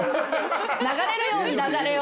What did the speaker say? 流れるように駄じゃれを。